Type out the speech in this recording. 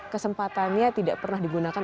kesempatannya tidak pernah digunakan